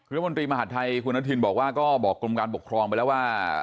รัฐมนตรีมหาดไทยคุณอนุทินบอกว่าก็บอกกรมการปกครองไปแล้วว่า